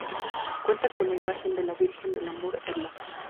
Cuenta con la imagen de la Virgen del Amor Hermoso.